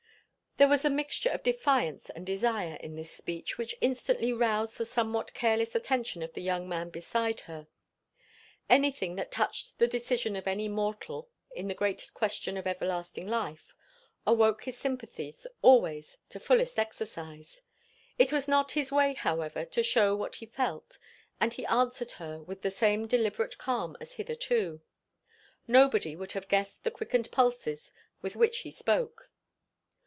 There was a mixture of defiance and desire in this speech which instantly roused the somewhat careless attention of the young man beside her. Anything that touched the decision of any mortal in the great question of everlasting life, awoke his sympathies always to fullest exercise. It was not his way, however, to shew what he felt; and he answered her with the same deliberate calm as hitherto. Nobody would have guessed the quickened pulses with which he spoke.